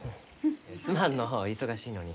すまんのう忙しいのに。